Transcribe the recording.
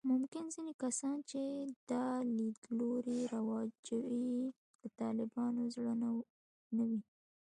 ممکن ځینې کسان چې دا لیدلوري رواجوي، له طالبانو زړه نه وي